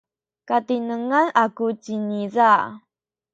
katinengan aku ciniza.